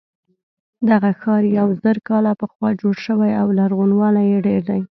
دغه ښار یو زر کاله پخوا جوړ شوی او لرغونوالی یې ډېر دی.